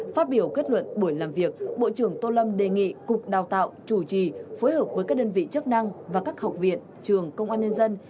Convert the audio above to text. phát biểu kết luận buổi làm việc bộ trưởng tô lâm đề nghị cục đào tạo chủ trì phối hợp với các đơn vị chức năng và các học viện trường công an nhân dân